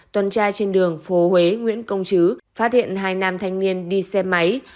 tuần tra trên đường phố huế nguyễn công chứ phát hiện hai nam thanh niên đi xe máy